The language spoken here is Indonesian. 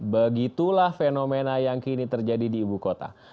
begitulah fenomena yang kini terjadi di ibu kota